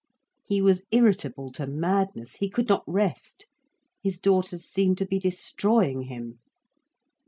He was irritable to madness, he could not rest, his daughters seemed to be destroying him.